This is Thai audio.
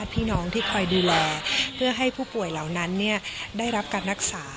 เพื่อให้ผู้ป่วยเหล่านั้นได้รับการรักษา